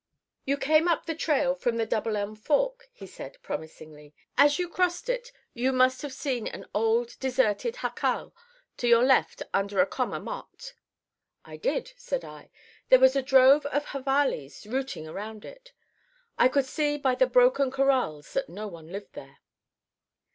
"You came up the trail from the Double Elm Fork," he said promisingly. "As you crossed it you must have seen an old deserted jacal to your left under a comma mott." "I did," said I. "There was a drove of javalis rooting around it. I could see by the broken corrals that no one lived there."